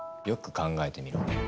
よく考えてみろ。